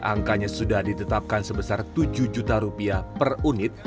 angkanya sudah ditetapkan sebesar tujuh juta rupiah per unit